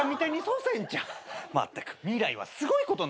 まったく未来はすごいことになっとるのう。